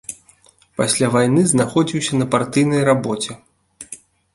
Пасля вайны знаходзіўся на партыйнай рабоце.